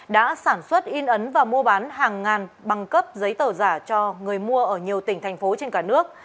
đã sản xuất in ấn và mua bán hàng ngàn bằng cấp giấy tờ giả cho người mua ở nhiều tỉnh thành phố trên cả nước